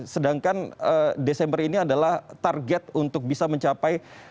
sedangkan desember ini adalah target untuk bisa mencapai